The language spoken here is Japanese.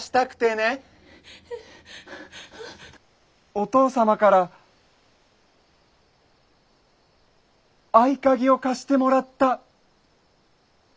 お父様から合鍵を貸してもらった。